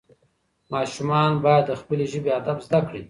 ماشومان باید د خپلې ژبې ادب زده کړي.